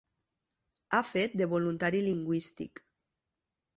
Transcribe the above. Ha fet de voluntari lingüístic.